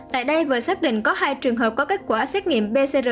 tại đây vừa xác định có hai trường hợp có kết quả xét nghiệm pcr